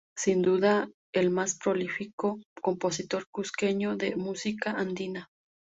Sin duda el más prolífico compositor cusqueño de música andina.